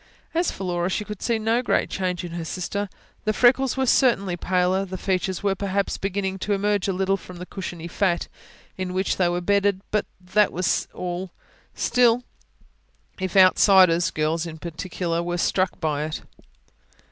As for Laura, she could see no great change in her sister; the freckles were certainly paler, and the features were perhaps beginning to emerge a little, from the cushiony fat in which they were bedded; but that was all. Still, if outsiders, girls in particular, were struck by it